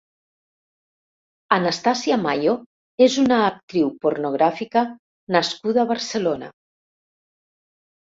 Anastasia Mayo és una actriu pornogràfica nascuda a Barcelona.